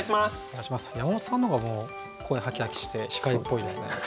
山本さんの方がもう声ハキハキして司会っぽいですね。